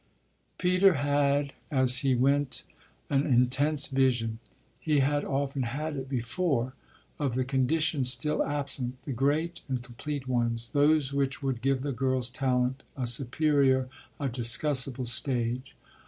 Peter had as he went an intense vision he had often had it before of the conditions still absent, the great and complete ones, those which would give the girl's talent a superior, a discussable stage.